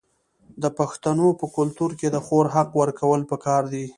د پښتنو په کلتور کې د خور حق ورکول پکار دي.